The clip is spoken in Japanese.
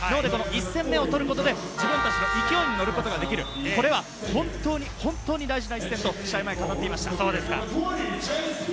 １戦目を取ることで自分たちの勢いにのることができる、これは本当に大事な一戦と試合前に語っていました。